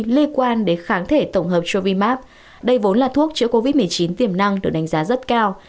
liên quan đến kháng thể tổng hợp cho vimart đây vốn là thuốc chữa covid một mươi chín tiềm năng được đánh giá rất cao